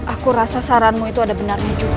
aku rasa saranmu itu ada benarnya juga